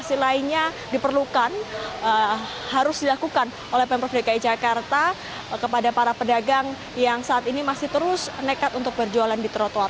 fasilitas lainnya diperlukan harus dilakukan oleh pemprov dki jakarta kepada para pedagang yang saat ini masih terus nekat untuk berjualan di trotoar